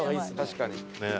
確かに。